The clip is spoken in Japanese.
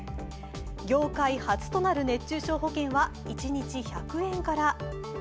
業界初となる熱中症保険は一日１００円から。